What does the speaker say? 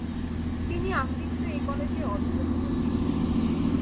তিনি আমৃত্যু এ কলেজের অধ্যক্ষ ছিলেন।